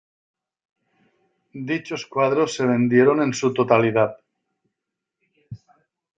Dichos cuadros se vendieron en su totalidad.